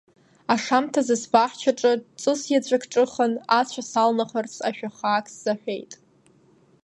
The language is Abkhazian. Ашамҭазы сбаҳчаҿы ҵыс иаҵәак ҿыхан, ацәа салнахырц ашәа хаак сзаҳәеит.